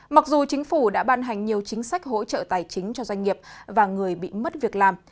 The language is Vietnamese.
mặc dù chính phủ đã ban hành nhiều chính sách hỗ trợ tài chính cho doanh nghiệp và người bị mất việc làm